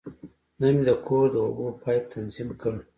نن مې د کور د اوبو پایپ تنظیم کړ.